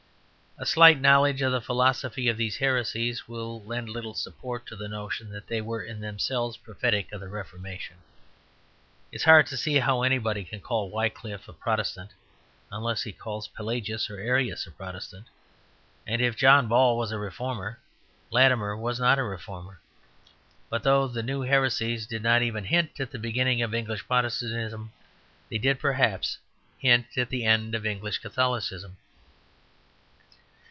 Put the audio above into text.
A slight knowledge of the philosophy of these heresies will lend little support to the notion that they were in themselves prophetic of the Reformation. It is hard to see how anybody can call Wycliffe a Protestant unless he calls Palagius or Arius a Protestant; and if John Ball was a Reformer, Latimer was not a Reformer. But though the new heresies did not even hint at the beginning of English Protestantism, they did, perhaps, hint at the end of English Catholicism.